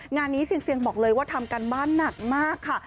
งานนี้เซียนบอกเลยว่าทำการบ้านหนักมากค่ะ